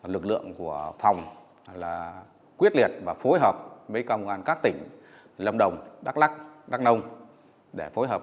lực lượng của phòng là quyết liệt và phối hợp với công an các tỉnh lâm đồng đắk lắc đắk nông để phối hợp